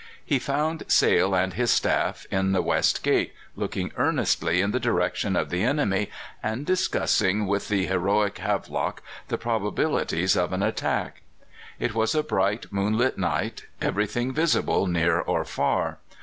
He found Sale and his staff in the west gate, looking earnestly in the direction of the enemy, and discussing with the heroic Havelock the probabilities of an attack. It was a bright moonlight night; everything visible near or far.